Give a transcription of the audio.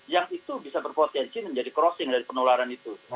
yang itu bisa berpotensi menjadi crossing dari penularan itu